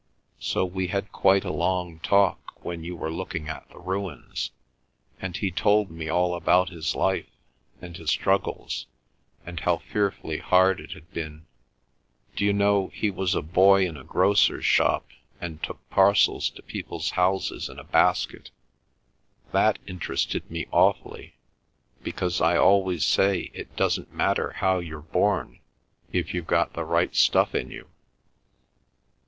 So we had quite a long talk when you were looking at the ruins, and he told me all about his life, and his struggles, and how fearfully hard it had been. D'you know, he was a boy in a grocer's shop and took parcels to people's houses in a basket? That interested me awfully, because I always say it doesn't matter how you're born if you've got the right stuff in you.